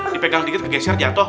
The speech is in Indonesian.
dipegang dikit kegeser jatuh